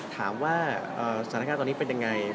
ถามว่าสถานการณ์ตอนนี้เป็นยังไง